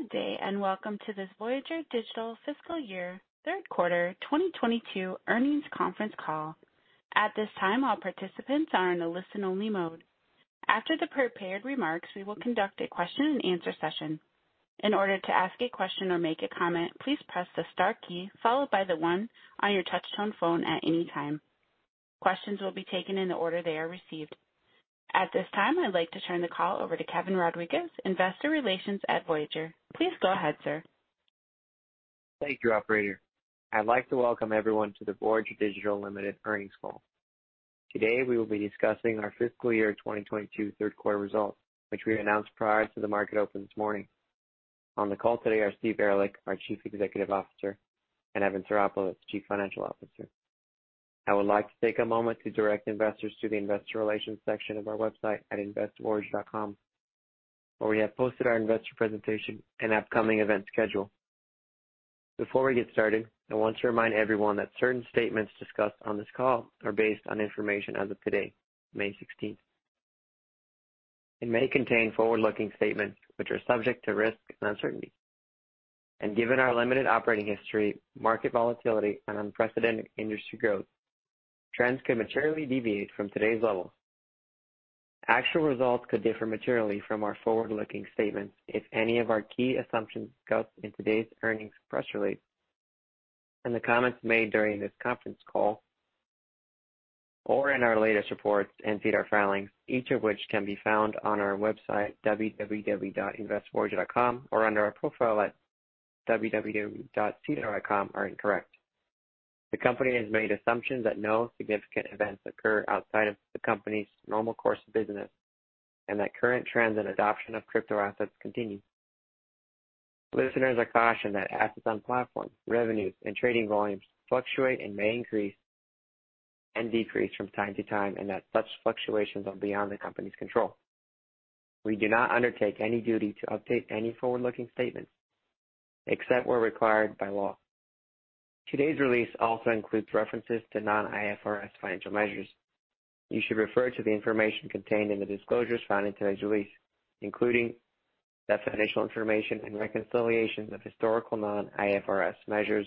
Good day, and welcome to this Voyager Digital Fiscal Year Third Quarter 2022 earnings conference call. At this time, all participants are in a listen-only mode. After the prepared remarks, we will conduct a question and answer session. In order to ask a question or make a comment, please press the star key followed by the one on your touch tone phone at any time. Questions will be taken in the order they are received. At this time, I'd like to turn the call over to Kevin Rodriguez, Investor Relations at Voyager. Please go ahead, sir. Thank you, operator. I'd like to welcome everyone to the Voyager Digital Ltd. earnings call. Today, we will be discussing our fiscal year 2022 third quarter results, which we announced prior to the market open this morning. On the call today are Stephen Ehrlich, our Chief Executive Officer, and Evan Psaropoulos, Chief Financial Officer. I would like to take a moment to direct investors to the investor relations section of our website at investvoyager.com, where we have posted our investor presentation and upcoming event schedule. Before we get started, I want to remind everyone that certain statements discussed on this call are based on information as of today, May sixteenth. It may contain forward-looking statements which are subject to risk and uncertainty. Given our limited operating history, market volatility, and unprecedented industry growth, trends could materially deviate from today's levels. Actual results could differ materially from our forward-looking statements if any of our key assumptions discussed in today's earnings press release and the comments made during this conference call or in our latest reports and SEDAR filings, each of which can be found on our website, www.investvoyager.com, or under our profile at www.sedar.com, are incorrect. The company has made assumptions that no significant events occur outside of the company's normal course of business and that current trends and adoption of crypto assets continue. Listeners are cautioned that assets on platform, revenues, and trading volumes fluctuate and may increase and decrease from time to time, and that such fluctuations are beyond the company's control. We do not undertake any duty to update any forward-looking statements except where required by law. Today's release also includes references to non-IFRS financial measures. You should refer to the information contained in the disclosures found in today's release, including definitional information and reconciliations of historical non-IFRS measures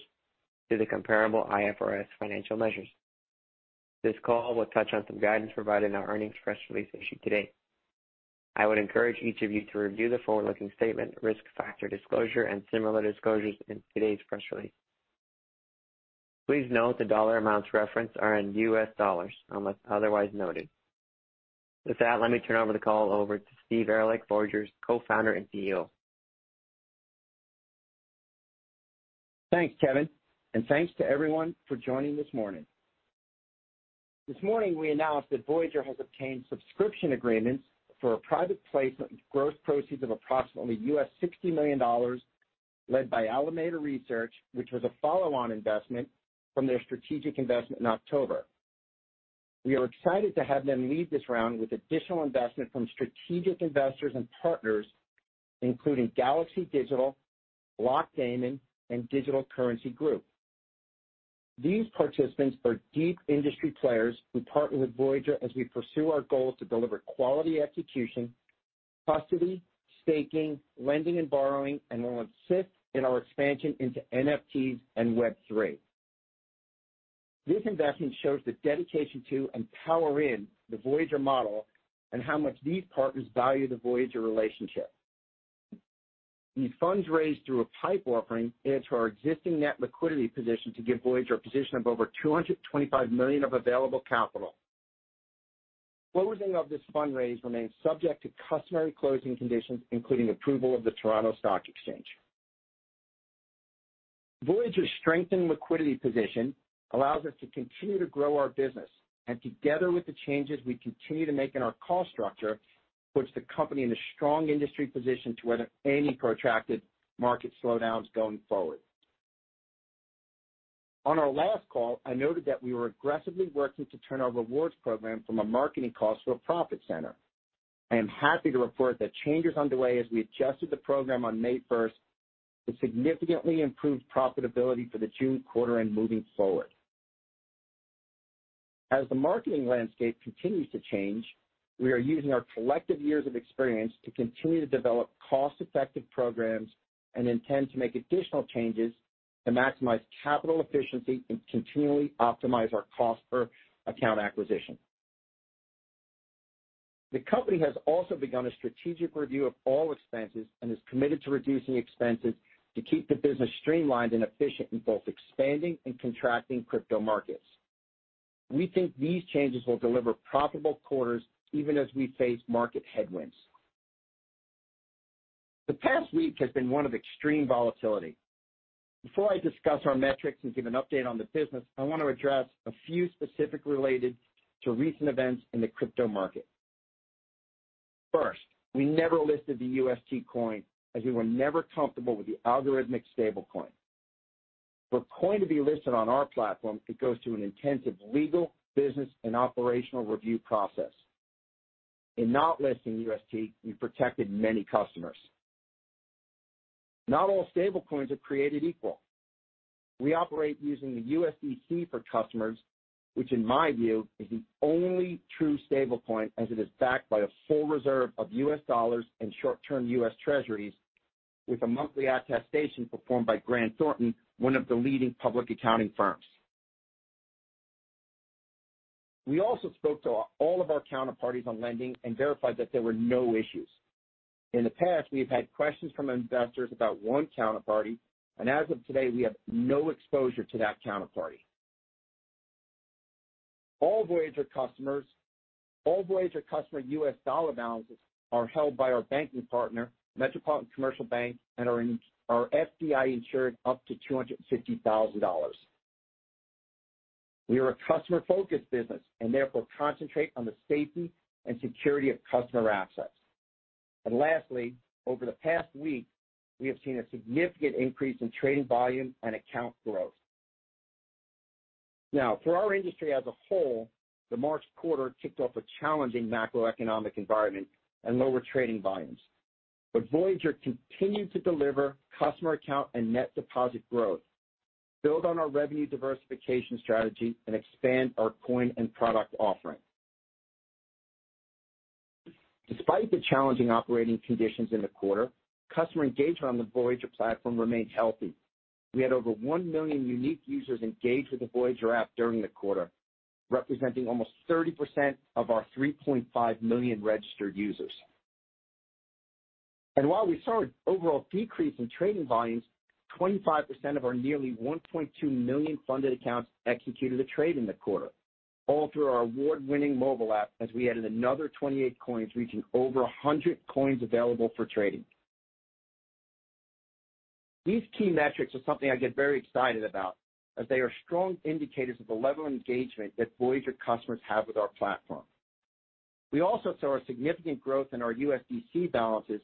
to the comparable IFRS financial measures. This call will touch on some guidance provided in our earnings press release issued today. I would encourage each of you to review the forward-looking statement, risk factor disclosure, and similar disclosures in today's press release. Please note the dollar amounts referenced are in US dollars unless otherwise noted. With that, let me turn over the call to Stephen Ehrlich, Voyager's co-founder and CEO. Thanks, Kevin, and thanks to everyone for joining this morning. This morning, we announced that Voyager has obtained subscription agreements for a private placement with gross proceeds of approximately $60 million led by Alameda Research, which was a follow-on investment from their strategic investment in October. We are excited to have them lead this round with additional investment from strategic investors and partners, including Galaxy Digital, Blockdaemon, and Digital Currency Group. These participants are deep industry players who partner with Voyager as we pursue our goal to deliver quality execution, custody, staking, lending, and borrowing, and will assist in our expansion into NFTs and Web3. This investment shows the dedication to and power in the Voyager model and how much these partners value the Voyager relationship. These funds raised through a PIPE offering add to our existing net liquidity position to give Voyager a position of over $225 million of available capital. Closing of this fundraise remains subject to customary closing conditions, including approval of the Toronto Stock Exchange. Voyager's strengthened liquidity position allows us to continue to grow our business, and together with the changes we continue to make in our cost structure, puts the company in a strong industry position to weather any protracted market slowdowns going forward. On our last call, I noted that we were aggressively working to turn our rewards program from a marketing cost to a profit center. I am happy to report that change is underway as we adjusted the program on May first to significantly improve profitability for the June quarter and moving forward. As the marketing landscape continues to change, we are using our collective years of experience to continue to develop cost-effective programs and intend to make additional changes to maximize capital efficiency and continually optimize our cost per account acquisition. The company has also begun a strategic review of all expenses and is committed to reducing expenses to keep the business streamlined and efficient in both expanding and contracting crypto markets. We think these changes will deliver profitable quarters even as we face market headwinds. The past week has been one of extreme volatility. Before I discuss our metrics and give an update on the business, I want to address a few specifics related to recent events in the crypto market. First, we never listed the UST as we were never comfortable with the algorithmic stablecoin. For a coin to be listed on our platform, it goes through an intensive legal, business, and operational review process. In not listing UST, we protected many customers. Not all stablecoins are created equal. We operate using the USDC for customers, which in my view, is the only true stablecoin as it is backed by a full reserve of U.S. dollars and short-term U.S. Treasuries with a monthly attestation performed by Grant Thornton, one of the leading public accounting firms. We also spoke to all of our counterparties on lending and verified that there were no issues. In the past, we have had questions from investors about one counterparty, and as of today, we have no exposure to that counterparty. All Voyager customer US dollar balances are held by our banking partner, Metropolitan Commercial Bank, and are FDIC insured up to $250,000. We are a customer-focused business and therefore concentrate on the safety and security of customer assets. Lastly, over the past week, we have seen a significant increase in trading volume and account growth. Now, for our industry as a whole, the March quarter kicked off a challenging macroeconomic environment and lower trading volumes. Voyager continued to deliver customer account and net deposit growth, build on our revenue diversification strategy, and expand our coin and product offering. Despite the challenging operating conditions in the quarter, customer engagement on the Voyager platform remained healthy. We had over 1 million unique users engaged with the Voyager app during the quarter, representing almost 30% of our 3.5 million registered users. While we saw an overall decrease in trading volumes, 25% of our nearly 1.2 million funded accounts executed a trade in the quarter, all through our award-winning mobile app, as we added another 28 coins, reaching over 100 coins available for trading. These key metrics are something I get very excited about as they are strong indicators of the level of engagement that Voyager customers have with our platform. We also saw a significant growth in our USDC balances,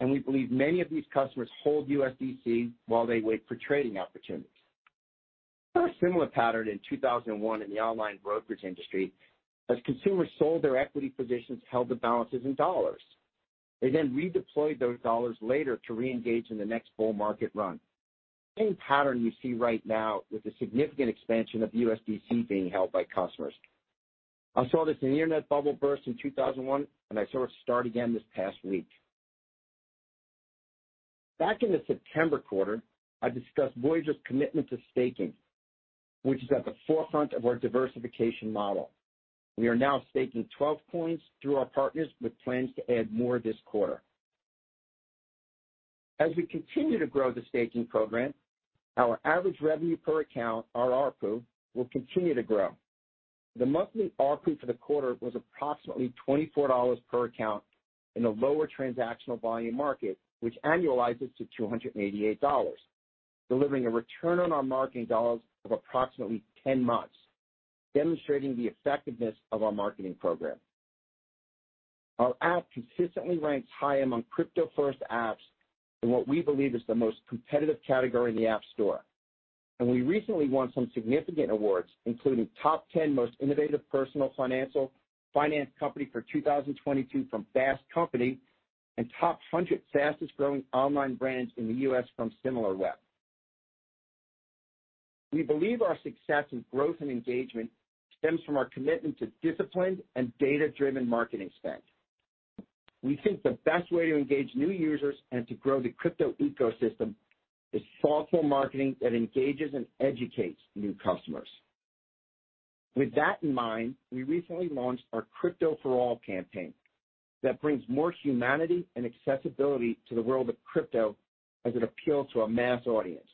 and we believe many of these customers hold USDC while they wait for trading opportunities. We saw a similar pattern in 2001 in the online brokerage industry as consumers sold their equity positions, held the balances in dollars. They then redeployed those dollars later to reengage in the next bull market run. Same pattern we see right now with the significant expansion of USDC being held by customers. I saw this in the Internet bubble burst in 2001, and I saw it start again this past week. Back in the September quarter, I discussed Voyager's commitment to staking, which is at the forefront of our diversification model. We are now staking 12 coins through our partners with plans to add more this quarter. As we continue to grow the staking program, our average revenue per account, our ARPU, will continue to grow. The monthly ARPU for the quarter was approximately $24 per account in a lower transactional volume market, which annualizes to $288, delivering a return on our marketing dollars of approximately 10 months, demonstrating the effectiveness of our marketing program. Our app consistently ranks high among crypto-first apps in what we believe is the most competitive category in the App Store. We recently won some significant awards, including Top 10 Most Innovative Personal Finance Company for 2022 from Fast Company and Top 100 Fastest Growing Online Brands in the U.S. from Similarweb. We believe our success in growth and engagement stems from our commitment to disciplined and data-driven marketing spend. We think the best way to engage new users and to grow the crypto ecosystem is thoughtful marketing that engages and educates new customers. With that in mind, we recently launched our Crypto for All campaign that brings more humanity and accessibility to the world of crypto as it appeals to a mass audience.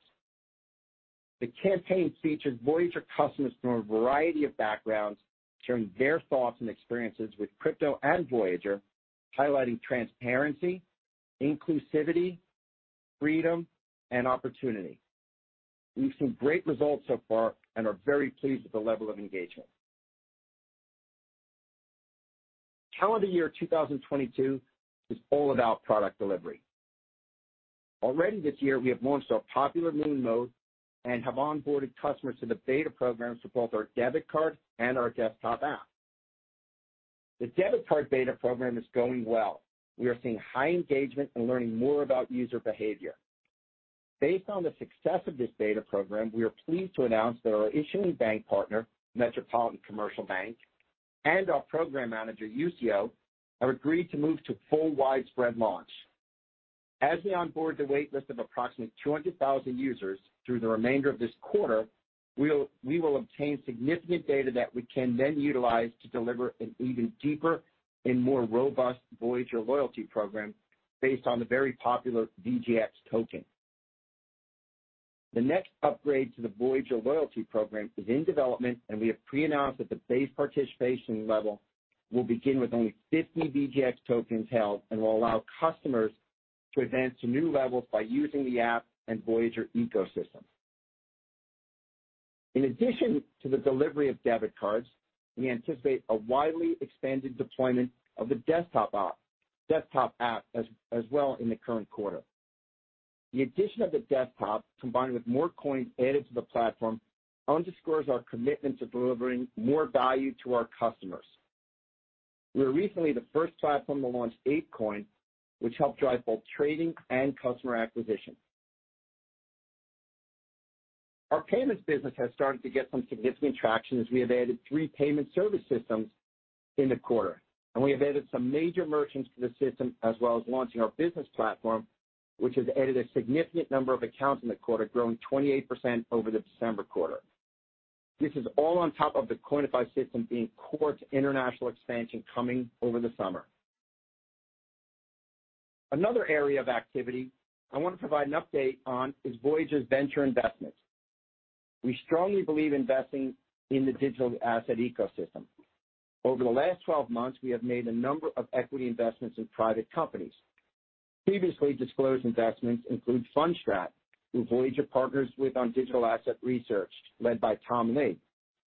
The campaign features Voyager customers from a variety of backgrounds sharing their thoughts and experiences with crypto and Voyager, highlighting transparency, inclusivity, freedom, and opportunity. We've seen great results so far and are very pleased with the level of engagement. Calendar year 2022 is all about product delivery. Already this year, we have launched our popular Moon Mode and have onboarded customers to the beta programs for both our debit card and our desktop app. The debit card beta program is going well. We are seeing high engagement and learning more about user behavior. Based on the success of this beta program, we are pleased to announce that our issuing bank partner, Metropolitan Commercial Bank, and our program manager, Usio, have agreed to move to full widespread launch. As we onboard the wait list of approximately 200,000 users through the remainder of this quarter, we will obtain significant data that we can then utilize to deliver an even deeper and more robust Voyager Loyalty Program based on the very popular VGX token. The next upgrade to the Voyager Loyalty Program is in development, and we have pre-announced that the base participation level will begin with only 50 VGX tokens held and will allow customers to advance to new levels by using the app and Voyager ecosystem. In addition to the delivery of debit cards, we anticipate a widely expanded deployment of the desktop app as well in the current quarter. The addition of the desktop, combined with more coins added to the platform, underscores our commitment to delivering more value to our customers. We were recently the first platform to launch ApeCoin, which helped drive both trading and customer acquisition. Our payments business has started to get some significant traction as we have added three payment service systems in the quarter, and we have added some major merchants to the system, as well as launching our business platform, which has added a significant number of accounts in the quarter, growing 28% over the December quarter. This is all on top of the Coinify system being core to international expansion coming over the summer. Another area of activity I want to provide an update on is Voyager's venture investments. We strongly believe investing in the digital asset ecosystem. Over the last 12 months, we have made a number of equity investments in private companies. Previously disclosed investments include Fundstrat, who Voyager partners with on digital asset research, led by Tom Lee.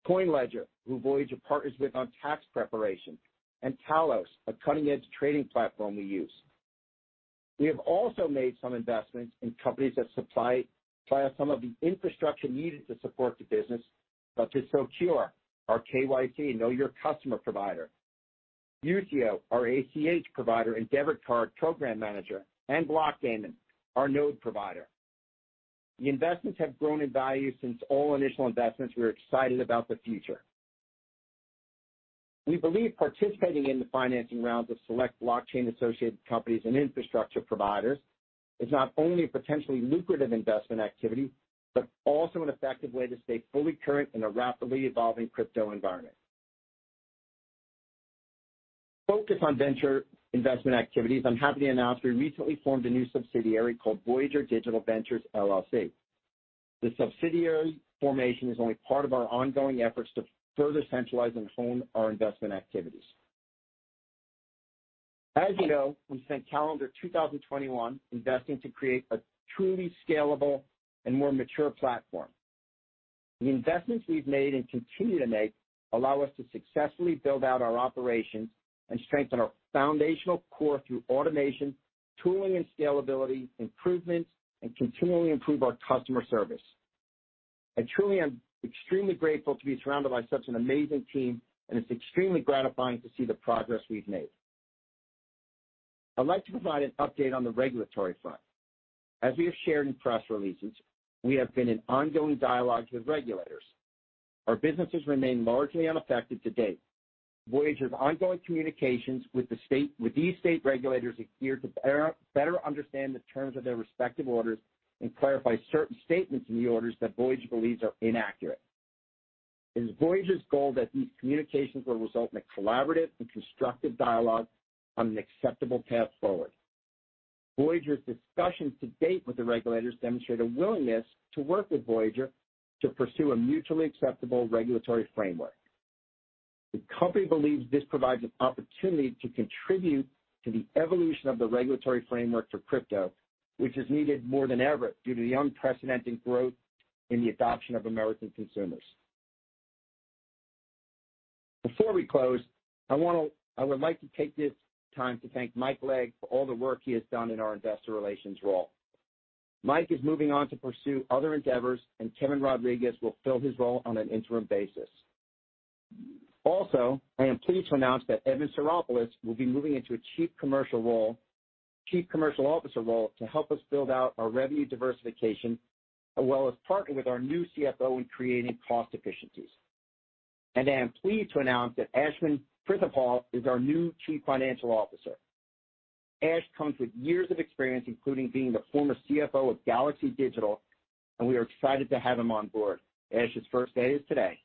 CoinLedger, who Voyager partners with on tax preparation. And Talos, a cutting-edge trading platform we use. We have also made some investments in companies that supply us some of the infrastructure needed to support the business, such as Socure, our KYC, Know Your Customer provider, Usio, our ACH provider, Deserve, card program manager, and Blockdaemon, our node provider. The investments have grown in value since all initial investments. We are excited about the future. We believe participating in the financing rounds of select blockchain-associated companies and infrastructure providers is not only a potentially lucrative investment activity, but also an effective way to stay fully current in a rapidly evolving crypto environment. Focus on venture investment activities, I'm happy to announce we recently formed a new subsidiary called Voyager Digital Ventures LLC. The subsidiary formation is only part of our ongoing efforts to further centralize and hone our investment activities. As you know, we've spent calendar 2021 investing to create a truly scalable and more mature platform. The investments we've made and continue to make allow us to successfully build out our operations and strengthen our foundational core through automation, tooling, and scalability improvements, and continually improve our customer service. I truly am extremely grateful to be surrounded by such an amazing team, and it's extremely gratifying to see the progress we've made. I'd like to provide an update on the regulatory front. As we have shared in press releases, we have been in ongoing dialogue with regulators. Our businesses remain largely unaffected to date. Voyager's ongoing communications with the state, with these state regulators, is geared to better understand the terms of their respective orders and clarify certain statements in the orders that Voyager believes are inaccurate. It is Voyager's goal that these communications will result in a collaborative and constructive dialogue on an acceptable path forward. Voyager's discussions to date with the regulators demonstrate a willingness to work with Voyager to pursue a mutually acceptable regulatory framework. The company believes this provides an opportunity to contribute to the evolution of the regulatory framework for crypto, which is needed more than ever due to the unprecedented growth in the adoption of American consumers. Before we close, I would like to take this time to thank Mike Legg for all the work he has done in our investor relations role. Mike is moving on to pursue other endeavors, and Kevin Rodriguez will fill his role on an interim basis. Also, I am pleased to announce that Evan Psaropoulos will be moving into a chief commercial role, Chief Commercial Officer role to help us build out our revenue diversification, as well as partner with our new CFO in creating cost efficiencies. I am pleased to announce that Ashwin Prithipaul is our new Chief Financial Officer. Ash comes with years of experience, including being the former CFO of Galaxy Digital, and we are excited to have him on board. Ash's first day is today.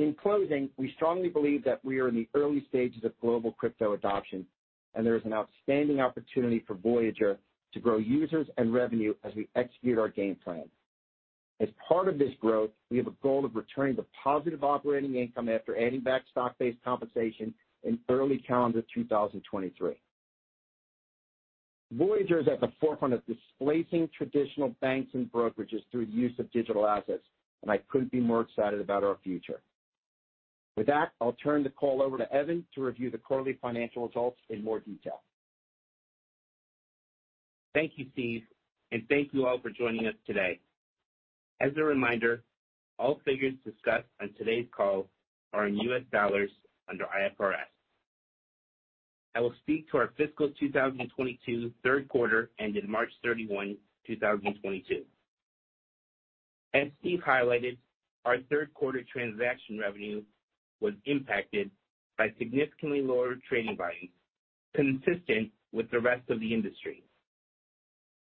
In closing, we strongly believe that we are in the early stages of global crypto adoption, and there is an outstanding opportunity for Voyager to grow users and revenue as we execute our game plan. As part of this growth, we have a goal of returning to positive operating income after adding back stock-based compensation in early calendar 2023. Voyager is at the forefront of displacing traditional banks and brokerages through use of digital assets, and I couldn't be more excited about our future. With that, I'll turn the call over to Evan to review the quarterly financial results in more detail. Thank you, Steve, and thank you all for joining us today. As a reminder, all figures discussed on today's call are in US dollars under IFRS. I will speak to our fiscal 2022 third quarter ended March 31, 2022. As Steve highlighted, our third quarter transaction revenue was impacted by significantly lower trading volumes, consistent with the rest of the industry.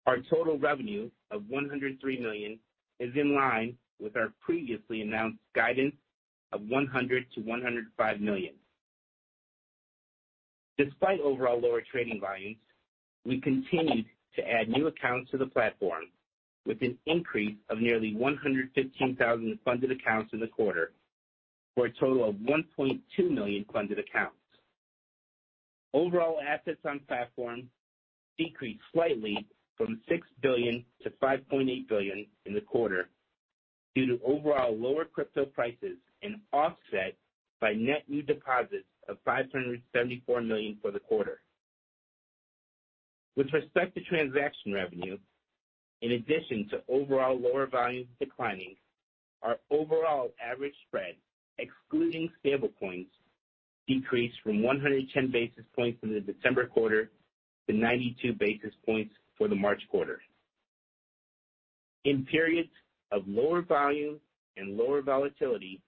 Our total revenue of $103 million is in line with our previously announced guidance of $100-$105 million. Despite overall lower trading volumes, we continued to add new accounts to the platform with an increase of nearly 115,000 funded accounts in the quarter for a total of 1.2 million funded accounts. Overall assets on platform decreased slightly from $6 billion to $5.8 billion in the quarter due to overall lower crypto prices and offset by net new deposits of $574 million for the quarter. With respect to transaction revenue, in addition to overall lower volumes declining, our overall average spread, excluding stablecoins, decreased from 110 basis points in the December quarter to 92 basis points for the March quarter. In periods of lower volume and lower volatility,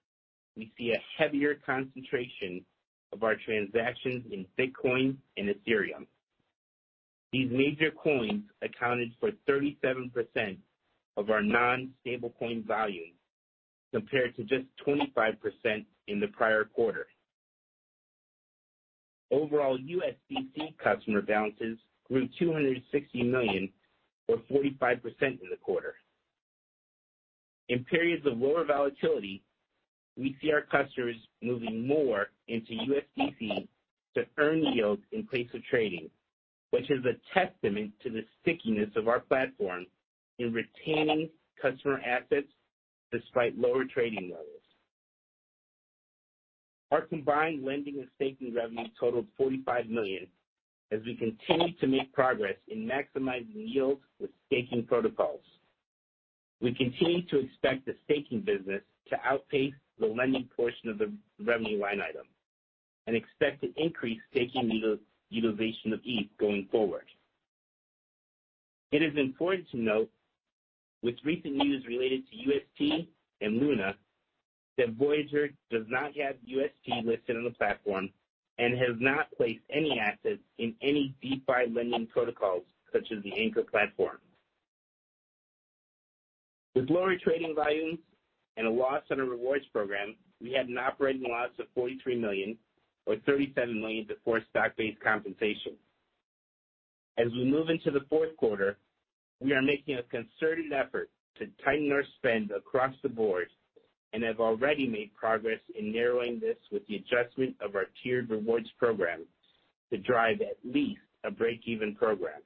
we see a heavier concentration of our transactions in Bitcoin and Ethereum. These major coins accounted for 37% of our non-stablecoin volume, compared to just 25% in the prior quarter. Overall USDC customer balances grew $260 million, or 45% in the quarter. In periods of lower volatility, we see our customers moving more into USDC to earn yield in place of trading, which is a testament to the stickiness of our platform in retaining customer assets despite lower trading levels. Our combined lending and staking revenue totaled $45 million as we continue to make progress in maximizing yields with staking protocols. We continue to expect the staking business to outpace the lending portion of the revenue line item and expect to increase staking utilization of ETH going forward. It is important to note with recent news related to UST and Luna that Voyager does not have UST listed on the platform and has not placed any assets in any DeFi lending protocols such as the Anchor Protocol. With lower trading volumes and a loss on our rewards program, we had an operating loss of $43 million, or $37 million before stock-based compensation. As we move into the fourth quarter, we are making a concerted effort to tighten our spend across the board and have already made progress in narrowing this with the adjustment of our tiered rewards program to drive at least a break-even program.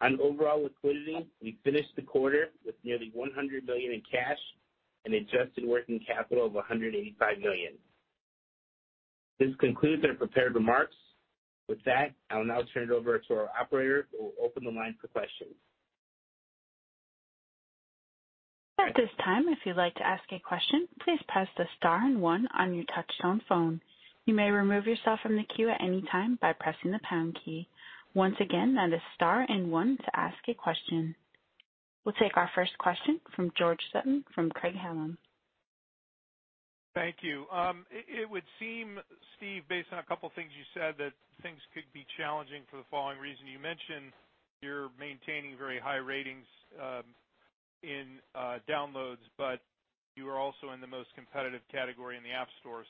On overall liquidity, we finished the quarter with nearly $100 billion in cash and adjusted working capital of $185 million. This concludes their prepared remarks. With that, I will now turn it over to our operator who will open the line for questions. At this time, if you'd like to ask a question, please press the star and one on your touchtone phone. You may remove yourself from the queue at any time by pressing the pound key. Once again, that is star and one to ask a question. We'll take our first question from George Sutton from Craig-Hallum. Thank you. It would seem, Steve, based on a couple of things you said, that things could be challenging for the following reason. You mentioned you're maintaining very high ratings in downloads, but you are also in the most competitive category in the App Store.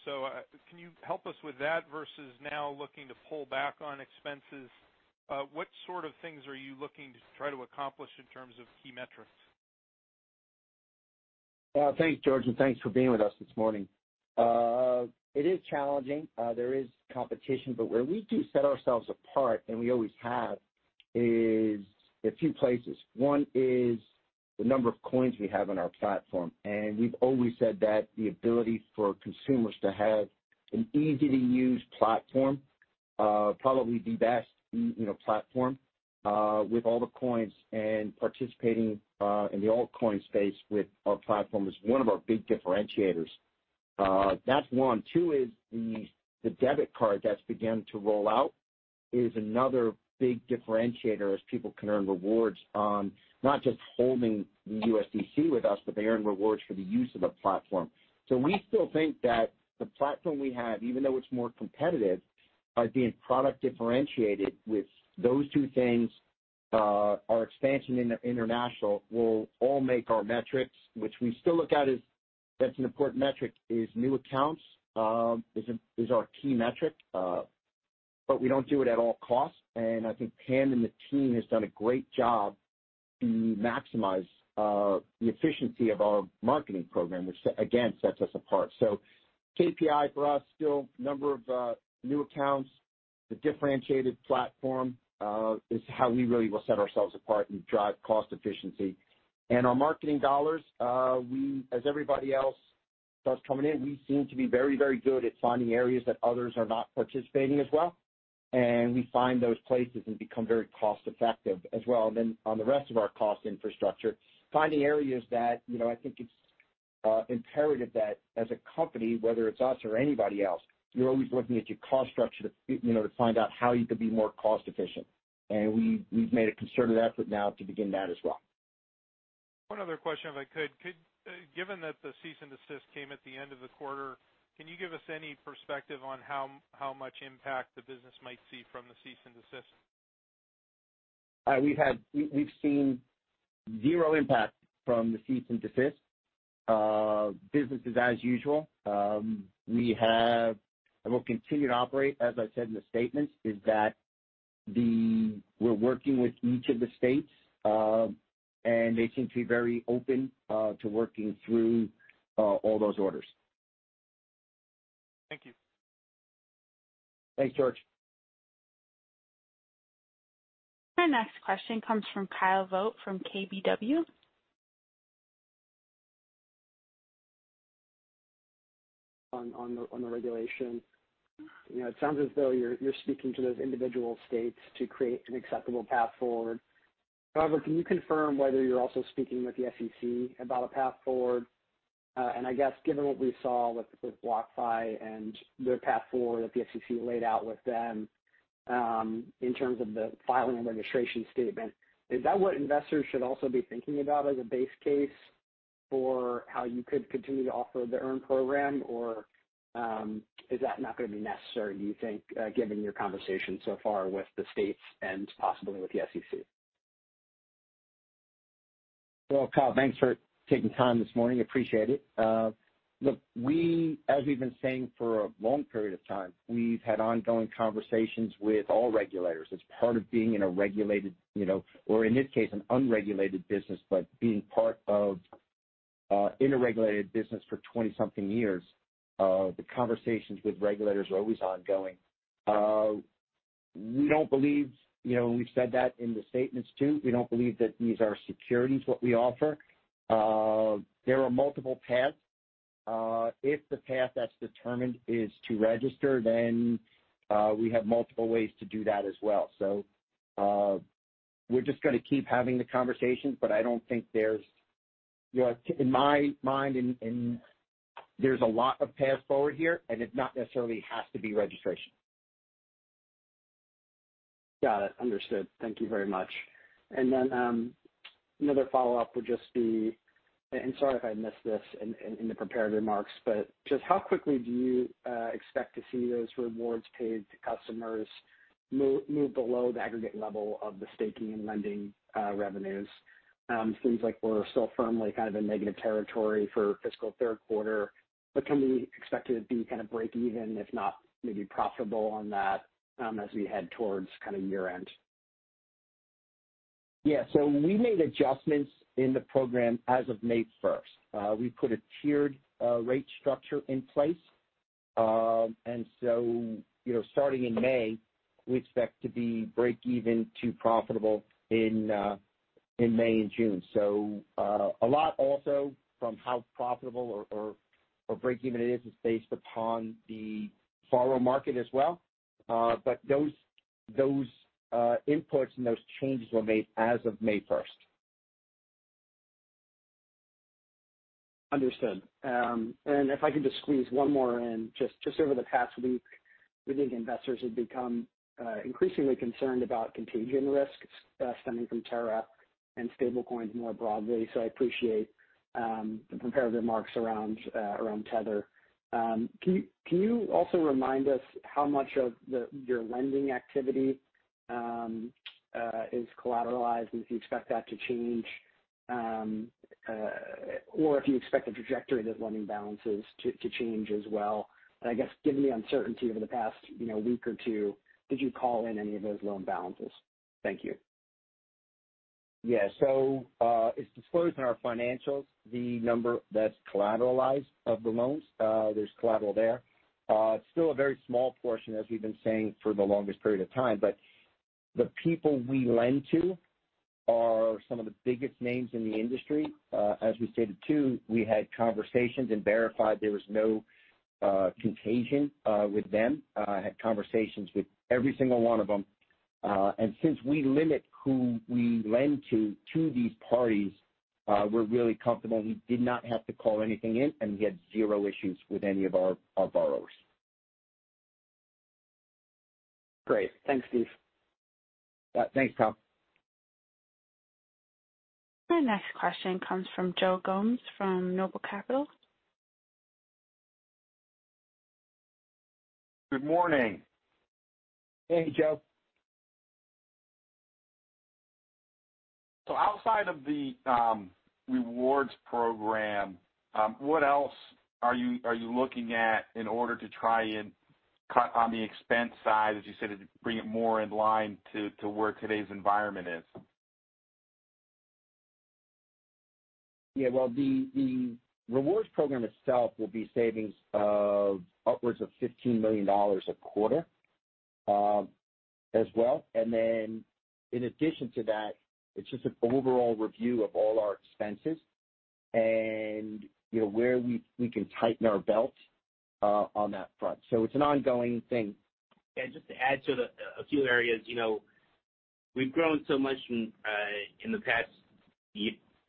Can you help us with that versus now looking to pull back on expenses? What sort of things are you looking to try to accomplish in terms of key metrics? Thanks, George, and thanks for being with us this morning. It is challenging. There is competition, but where we do set ourselves apart, and we always have, is a few places. One is the number of coins we have on our platform, and we've always said that the ability for consumers to have an easy-to-use platform, probably the best you know, platform, with all the coins and participating in the altcoin space with our platform is one of our big differentiators. That's one. Two is the debit card that's began to roll out is another big differentiator as people can earn rewards on not just holding USDC with us, but they earn rewards for the use of the platform. We still think that the platform we have, even though it's more competitive by being product differentiated with those two things, our expansion in international will all make our metrics, which we still look at as that's an important metric, is new accounts, is our key metric. We don't do it at all costs. I think Pam and the team has done a great job to maximize the efficiency of our marketing program, which again, sets us apart. KPI for us, still number of new accounts. The differentiated platform is how we really will set ourselves apart and drive cost efficiency. Our marketing dollars, we as everybody else starts coming in, we seem to be very, very good at finding areas that others are not participating as well, and we find those places and become very cost effective as well. On the rest of our cost infrastructure, finding areas that, you know, I think it's imperative that as a company, whether it's us or anybody else, you're always looking at your cost structure to, you know, to find out how you could be more cost efficient. We've made a concerted effort now to begin that as well. One other question, if I could. Given that the cease and desist came at the end of the quarter, can you give us any perspective on how much impact the business might see from the cease and desist? We've seen zero impact from the cease and desist. Business is as usual. We have and will continue to operate, as I said in the statement, we're working with each of the states, and they seem to be very open to working through all those orders. Thank you. Thanks, George. Our next question comes from Kyle Voigt from KBW. On the regulation. You know, it sounds as though you're speaking to those individual states to create an acceptable path forward. However, can you confirm whether you're also speaking with the SEC about a path forward? I guess given what we saw with BlockFi and their path forward that the SEC laid out with them, in terms of the filing and registration statement, is that what investors should also be thinking about as a base case for how you could continue to offer the Earn program? Or, is that not gonna be necessary, do you think, given your conversation so far with the states and possibly with the SEC? Well, Kyle, thanks for taking time this morning. Appreciate it. As we've been saying for a long period of time, we've had ongoing conversations with all regulators. It's part of being in a regulated, you know, or in this case, an unregulated business. Being part of in a regulated business for 20-something years, the conversations with regulators are always ongoing. We don't believe, you know, we've said that in the statements too, we don't believe that these are securities, what we offer. There are multiple paths. If the path that's determined is to register, then we have multiple ways to do that as well. We're just gonna keep having the conversations, but I don't think there's, you know, in my mind, in, there's a lot of paths forward here, and it not necessarily has to be registration. Got it. Understood. Thank you very much. Another follow-up would just be, sorry if I missed this in the prepared remarks, but just how quickly do you expect to see those rewards paid to customers move below the aggregate level of the staking and lending revenues? Seems like we're still firmly kind of in negative territory for fiscal third quarter, but can we expect it to be kind of break even, if not, maybe profitable on that, as we head towards kinda year-end? Yeah. We made adjustments in the program as of May first. We put a tiered rate structure in place. You know, starting in May, we expect to be break even to profitable in May and June. A lot also from how profitable or break even it is is based upon the borrower market as well. Those inputs and those changes were made as of May first. Understood. If I could just squeeze one more in. Just over the past week, we think investors have become increasingly concerned about contagion risks stemming from Terra and stablecoins more broadly. I appreciate the prepared remarks around Tether. Can you also remind us how much of your lending activity is collateralized and if you expect that to change? Or if you expect the trajectory of those lending balances to change as well? I guess given the uncertainty over the past you know week or two, did you call in any of those loan balances? Thank you. Yeah. It's disclosed in our financials, the number that's collateralized of the loans. There's collateral there. It's still a very small portion, as we've been saying for the longest period of time. The people we lend to are some of the biggest names in the industry. As we stated too, we had conversations and verified there was no contagion with them. Had conversations with every single one of them. Since we limit who we lend to these parties, we're really comfortable we did not have to call anything in and we had zero issues with any of our borrowers. Great. Thanks, Steve. Thanks, Kyle. Our next question comes from Joe Gomes from Noble Capital Markets. Good morning. Hey, Joe. Outside of the rewards program, what else are you looking at in order to try and cut on the expense side, as you said, to bring it more in line to where today's environment is? Yeah. Well, the rewards program itself will be savings of upwards of $15 million a quarter, as well. In addition to that, it's just an overall review of all our expenses and, you know, where we can tighten our belt, on that front. It's an ongoing thing. Yeah, just to add to a few areas, you know, we've grown so much in the past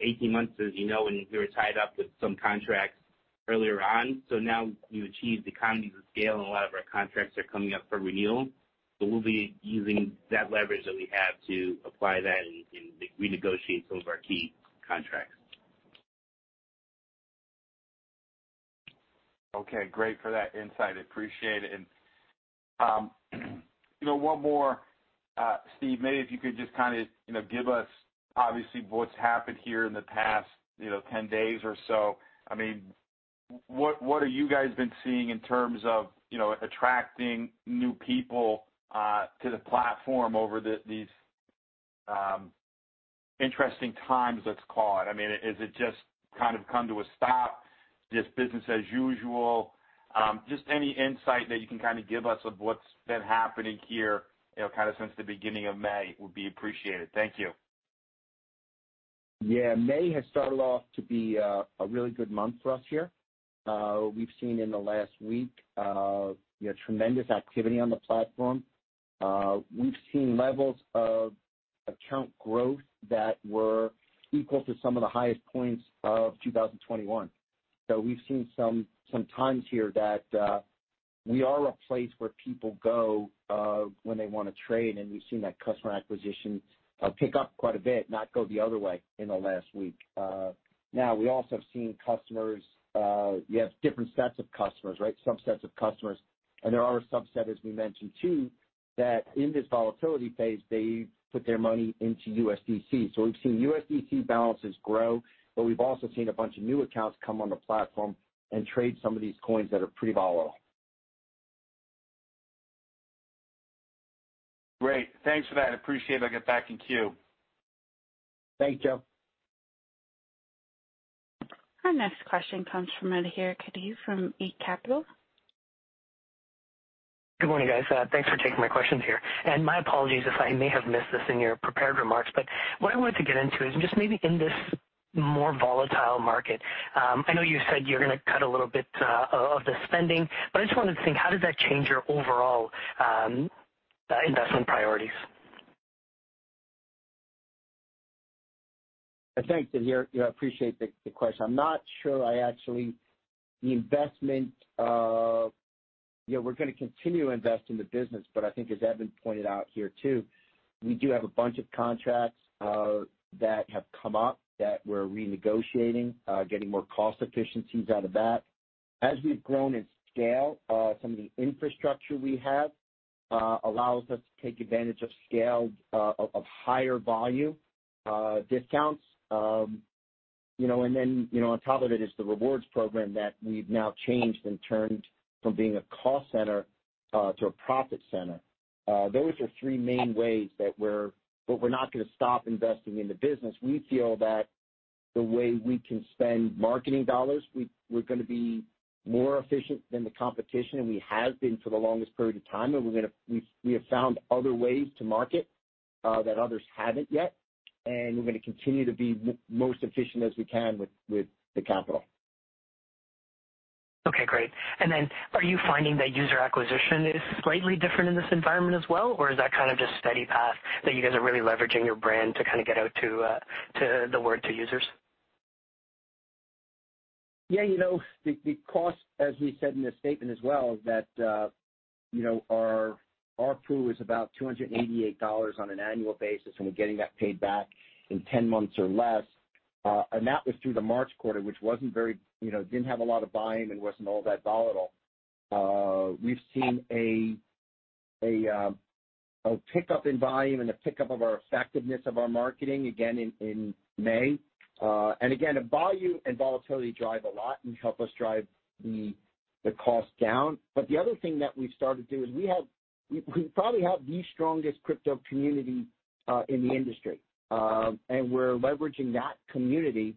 eighteen months as you know, and we were tied up with some contracts earlier on. Now we've achieved economies of scale, and a lot of our contracts are coming up for renewal. We'll be using that leverage that we have to apply that and renegotiate some of our key contracts. Okay. Great for that insight. Appreciate it. You know, one more, Steve, maybe if you could just kinda give us obviously what's happened here in the past 10 days or so. I mean, what have you guys been seeing in terms of, you know, attracting new people to the platform over these interesting times, let's call it? I mean, has it just kind of come to a stop? Just business as usual? Just any insight that you can kinda give us of what's been happening here, you know, kinda since the beginning of May, would be appreciated. Thank you. Yeah, May has started off to be a really good month for us here. We've seen in the last week, you know, tremendous activity on the platform. We've seen levels of account growth that were equal to some of the highest points of 2021. We've seen some times here that we are a place where people go when they wanna trade, and we've seen that customer acquisition pick up quite a bit, not go the other way in the last week. Now we also have seen customers. We have different sets of customers, right? Subsets of customers. There are a subset, as we mentioned too, that in this volatility phase, they put their money into USDC. We've seen USDC balances grow, but we've also seen a bunch of new accounts come on the platform and trade some of these coins that are pretty volatile. Great. Thanks for that. Appreciate it. I'll get back in queue. Thank you. Our next question comes from Adhir Kadve from 8 Capital. Good morning, guys. Thanks for taking my questions here. My apologies if I may have missed this in your prepared remarks, but what I wanted to get into is just maybe in this more volatile market, I know you said you're gonna cut a little bit of the spending, but I just wanted to think, how does that change your overall investment priorities? Thanks, Adhir. Yeah, I appreciate the question. I'm not sure the investment, you know, we're gonna continue to invest in the business, but I think as Evan pointed out here too, we do have a bunch of contracts that have come up that we're renegotiating, getting more cost efficiencies out of that. As we've grown in scale, some of the infrastructure we have allows us to take advantage of scale, of higher volume discounts. You know, and then, you know, on top of it is the rewards program that we've now changed and turned from being a cost center to a profit center. Those are three main ways that we're. We're not gonna stop investing in the business. We feel that the way we can spend marketing dollars, we're gonna be more efficient than the competition, and we have been for the longest period of time. We're gonna. We've found other ways to market that others haven't yet, and we're gonna continue to be most efficient as we can with the capital. Okay, great. Are you finding that user acquisition is slightly different in this environment as well, or is that kind of just steady path that you guys are really leveraging your brand to kinda get the word out to users? Yeah. You know, the cost, as we said in the statement as well, that you know, our ARPU is about $288 on an annual basis, and we're getting that paid back in 10 months or less. That was through the March quarter, which wasn't very, you know, didn't have a lot of volume and wasn't all that volatile. We've seen a pickup in volume and a pickup of our effectiveness of our marketing again in May. Again, the volume and volatility drive a lot and help us drive the cost down. The other thing that we've started to do is we probably have the strongest crypto community in the industry. We're leveraging that community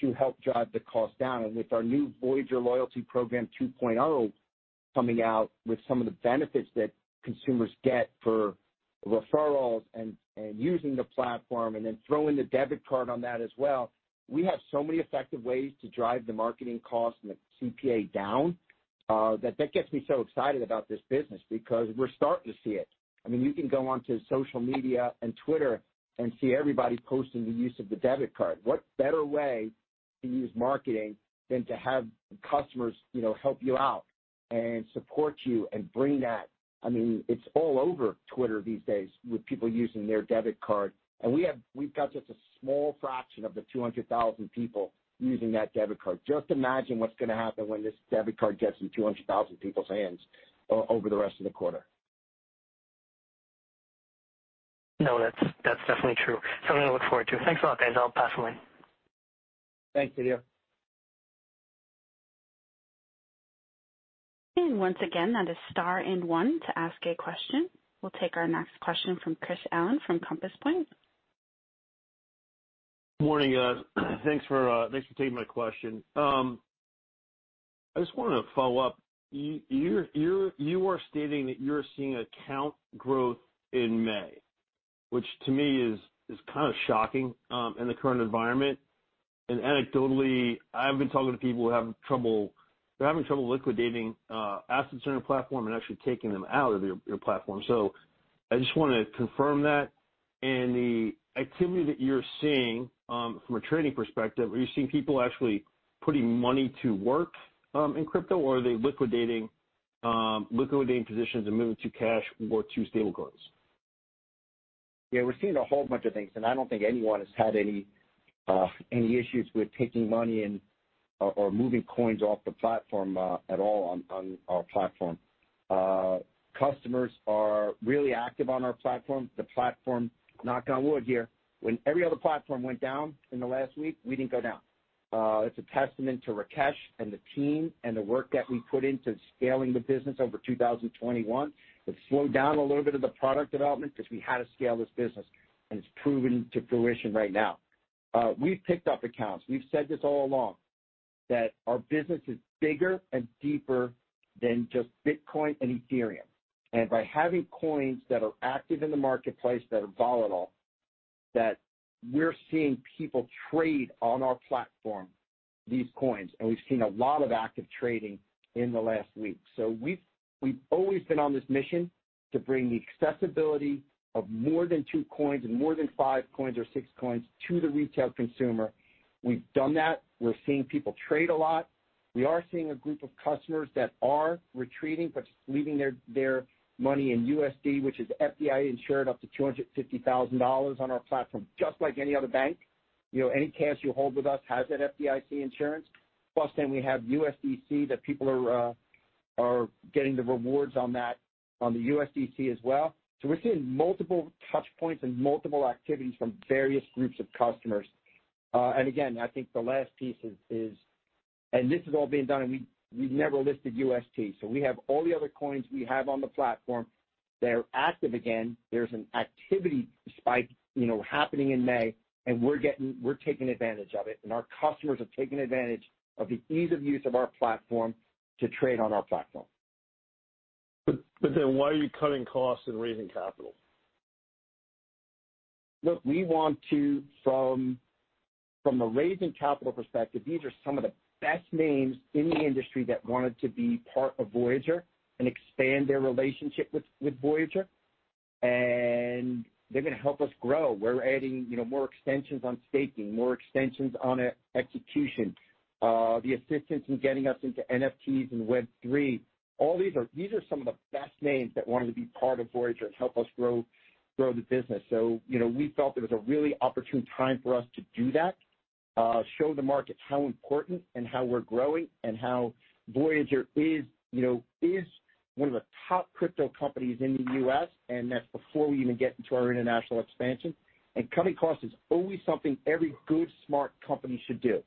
to help drive the cost down. With our new Voyager Loyalty Program 2.0 coming out with some of the benefits that consumers get for referrals and using the platform and then throwing the debit card on that as well, we have so many effective ways to drive the marketing cost and the CPA down, that that gets me so excited about this business because we're starting to see it. I mean, you can go onto social media and Twitter and see everybody posting the use of the debit card. What better way to use marketing than to have customers, you know, help you out and support you and bring that? I mean, it's all over Twitter these days with people using their debit card. We have. We've got just a small fraction of the 200,000 people using that debit card. Just imagine what's gonna happen when this debit card gets in 200,000 people's hands over the rest of the quarter. No, that's definitely true. Something to look forward to. Thanks a lot, guys. I'll pass the line. Thanks, Adhir. Once again, that is star one to ask a question. We'll take our next question from Chris Allen from Compass Point. Morning, guys. Thanks for taking my question. I just wanna follow up. You are stating that you're seeing account growth in May, which to me is kind of shocking in the current environment. Anecdotally, I've been talking to people who are having trouble liquidating assets in your platform and actually taking them out of your platform. I just wanna confirm that. The activity that you're seeing from a trading perspective, are you seeing people actually putting money to work in crypto, or are they liquidating positions and moving to cash or to stablecoins? Yeah, we're seeing a whole bunch of things, and I don't think anyone has had any issues with taking money and moving coins off the platform at all on our platform. Customers are really active on our platform. The platform, knock on wood here, when every other platform went down in the last week, we didn't go down. It's a testament to Rakesh and the team and the work that we put into scaling the business over 2021. It slowed down a little bit of the product development 'cause we had to scale this business, and it's proven to fruition right now. We've picked up accounts. We've said this all along. That our business is bigger and deeper than just Bitcoin and Ethereum. By having coins that are active in the marketplace that are volatile, that we're seeing people trade on our platform, these coins, and we've seen a lot of active trading in the last week. We've always been on this mission to bring the accessibility of more than two coins and more than five coins or six coins to the retail consumer. We've done that. We're seeing people trade a lot. We are seeing a group of customers that are retreating, but leaving their money in USD, which is FDIC insured up to $250,000 on our platform, just like any other bank. You know, any cash you hold with us has that FDIC insurance. Plus, then we have USDC that people are getting the rewards on that, on the USDC as well. We're seeing multiple touch points and multiple activities from various groups of customers. Again, I think the last piece is, and this is all being done, and we've never listed UST. We have all the other coins we have on the platform. They're active again, there's an activity spike, you know, happening in May, and we're taking advantage of it, and our customers are taking advantage of the ease of use of our platform to trade on our platform. Why are you cutting costs and raising capital? Look, we want to from a raising capital perspective, these are some of the best names in the industry that wanted to be part of Voyager and expand their relationship with Voyager. They're gonna help us grow. We're adding, you know, more extensions on staking, more extensions on e-execution, the assistance in getting us into NFTs and Web3. These are some of the best names that wanted to be part of Voyager and help us grow the business. You know, we felt it was a really opportune time for us to do that, show the market how important and how we're growing and how Voyager is, you know, one of the top crypto companies in the US, and that's before we even get into our international expansion. Cutting costs is always something every good, smart company should do.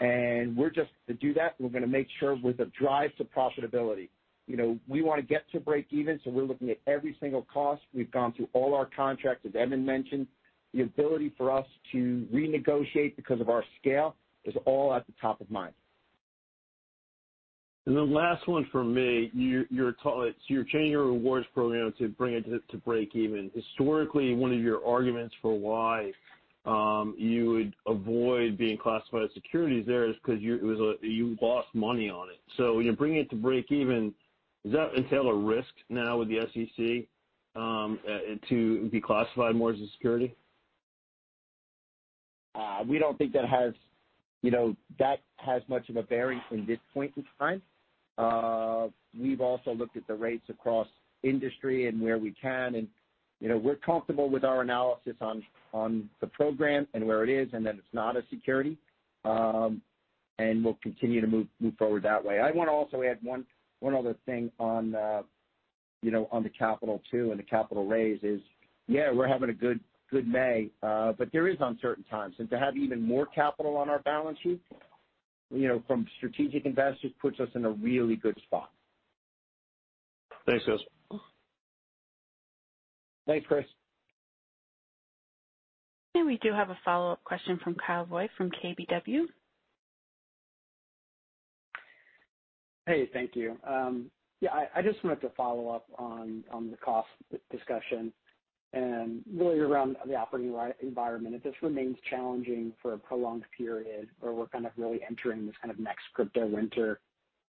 To do that, we're gonna make sure with a drive to profitability. You know, we wanna get to break even, so we're looking at every single cost. We've gone through all our contracts, as Evan mentioned. The ability for us to renegotiate because of our scale is all at the top of mind. Last one from me. You're changing your rewards program to bring it to break even. Historically, one of your arguments for why you would avoid being classified as securities there is 'cause you lost money on it. You're bringing it to break even. Does that entail a risk now with the SEC to be classified more as a security? We don't think that has, you know, that has much of a bearing from this point in time. We've also looked at the rates across industry and where we can and, you know, we're comfortable with our analysis on the program and where it is and that it's not a security. We'll continue to move forward that way. I wanna also add one other thing on, you know, on the capital too and the capital raise is, yeah, we're having a good May, but there is uncertain times. To have even more capital on our balance sheet, you know, from strategic investors puts us in a really good spot. Thanks, guys. Thanks, Chris. We do have a follow-up question from Kyle Voigt from KBW. Hey, thank you. Yeah, I just wanted to follow up on the cost discussion and really around the operating environment. If this remains challenging for a prolonged period or we're kind of really entering this kind of next crypto winter,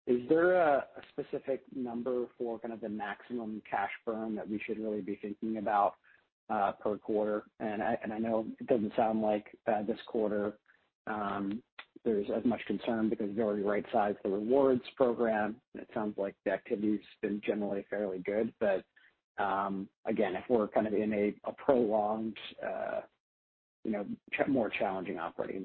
is there a specific number for kind of the maximum cash burn that we should really be thinking about per quarter? And I know it doesn't sound like this quarter there's as much concern because you already right-sized the rewards program, and it sounds like the activity's been generally fairly good. But again, if we're kind of in a prolonged, you know, more challenging operating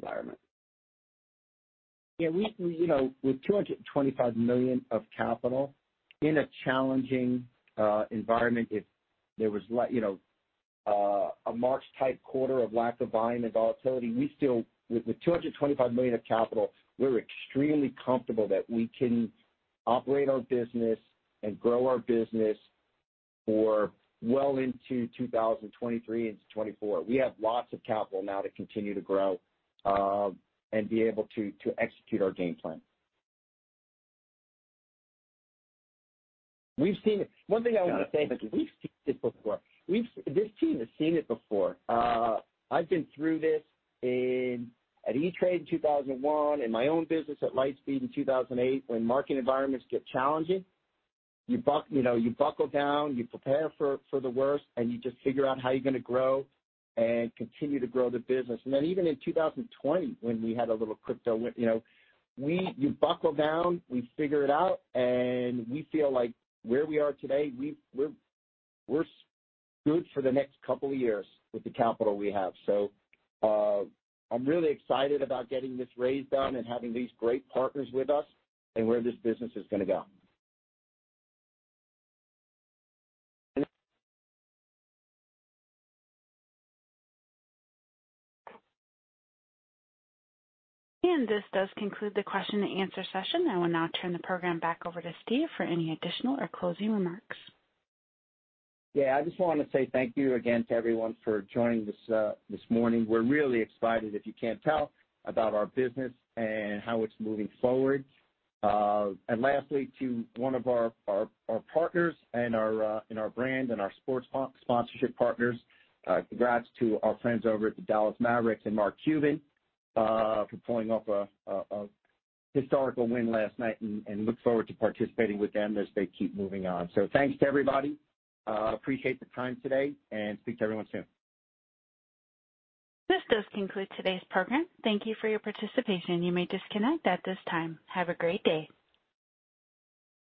environment. Yeah, we, you know, with $225 million of capital in a challenging environment, if there was, you know, a March type quarter of lack of volume and volatility, we still with $225 million of capital, we're extremely comfortable that we can operate our business and grow our business for well into 2023 into 2024. We have lots of capital now to continue to grow and be able to execute our game plan. We've seen this before. One thing I wanna say is we've seen this before. This team has seen it before. I've been through this at E*TRADE in 2001, in my own business at Lightspeed Financial in 2008. When market environments get challenging, you know, you buckle down, you prepare for the worst, and you just figure out how you're gonna grow and continue to grow the business. Even in 2020, when we had a little crypto win, you know, you buckle down, we figure it out, and we feel like where we are today, we're good for the next couple of years with the capital we have. I'm really excited about getting this raise done and having these great partners with us and where this business is gonna go. This does conclude the question and answer session. I will now turn the program back over to Steve for any additional or closing remarks. Yeah, I just wanna say thank you again to everyone for joining this morning. We're really excited, if you can't tell, about our business and how it's moving forward. And lastly, to one of our partners and our brand and our sports sponsorship partners, congrats to our friends over at the Dallas Mavericks and Mark Cuban for pulling off a historical win last night and look forward to participating with them as they keep moving on. Thanks to everybody. Appreciate the time today and speak to everyone soon. This does conclude today's program. Thank you for your participation. You may disconnect at this time. Have a great day.